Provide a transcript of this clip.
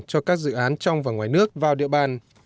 cho các dự án trong và ngoài nước vào địa bàn